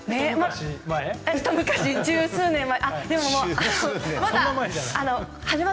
ひと昔十数年前。